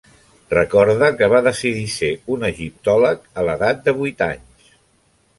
Recorda que va decidir ser un egiptòleg a l'edat de vuit anys.